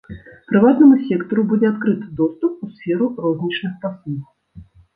Прыватнаму сектару будзе адкрыты доступ у сферу рознічных паслуг.